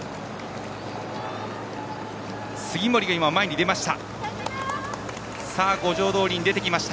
杉森が前に出ました。